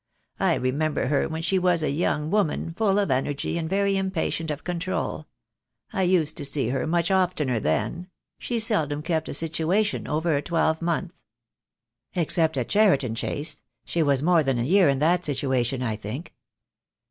I remember her when she was a young woman, full of energy, and very impatient of control. I used to see her much oftener then. She seldom kept a situation over a twelve month." "Except at Cheriton Chase. She was more than a year in that situation, I think."